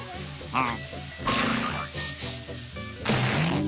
ああ！